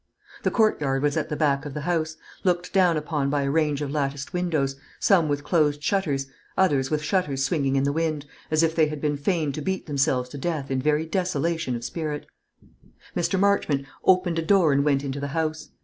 The courtyard was at the back of the house, looked down upon by a range of latticed windows, some with closed shutters, others with shutters swinging in the wind, as if they had been fain to beat themselves to death in very desolation of spirit. Mr. Marchmont opened a door and went into the house.